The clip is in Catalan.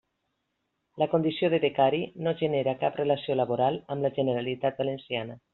La condició de becari no genera cap relació laboral amb la Generalitat Valenciana.